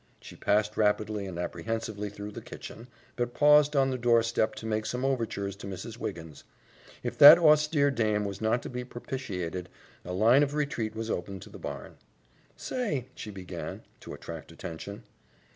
She passed rapidly and apprehensively through the kitchen, but paused on the doorstep to make some overtures to Mrs. Wiggins. If that austere dame was not to be propitiated, a line of retreat was open to the barn. "Say," she began, to attract attention.